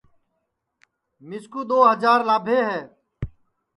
مِسکُو دؔو ہجار لابھے ہے